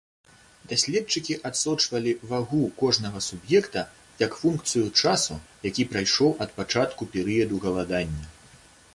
Даследчыкі адсочвалі вагу кожнага суб'екта як функцыю часу, які прайшоў ад пачатку перыяду галадання.